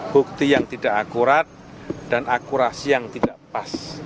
bukti yang tidak akurat dan akurasi yang tidak pas